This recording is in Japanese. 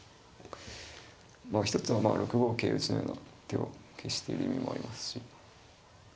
一つは６五桂打のような手を消してる意味もありますし。